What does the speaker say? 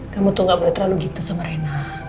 kamu tuh gak boleh terlalu gitu sama rena